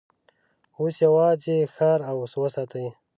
اوس يواځې ښار وساتئ!